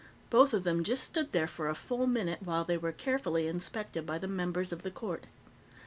Both of them just stood there for a full minute while they were carefully inspected by the members of the Court.